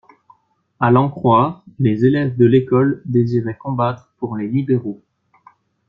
A l'en croire, les élèves de l'École désiraient combattre pour les libéraux.